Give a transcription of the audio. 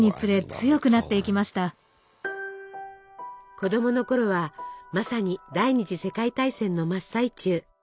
子供のころはまさに第２次世界大戦の真っ最中。